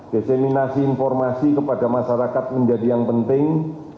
diseminasi informasi kepada masyarakat menjadi yang penting